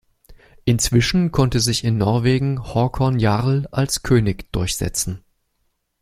Inzwischen konnte sich in Norwegen Håkon Jarl als König durchsetzen.